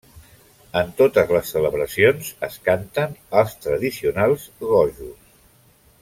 En totes les celebracions es canten els tradicionals gojos.